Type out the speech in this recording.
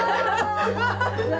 うわ！